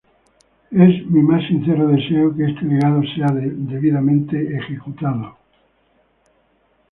Es mi más sincero deseo que este legado sea debidamente ejecutado.